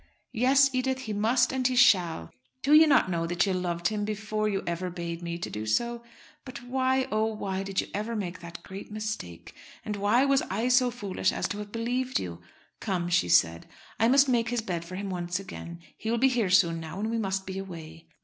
"Yes, Edith, he must and he shall. Do you not know that you loved him before you ever bade me to do so? But why, oh why did you ever make that great mistake? And why was I so foolish as to have believed you? Come," she said, "I must make his bed for him once again. He will be here soon now and we must be away."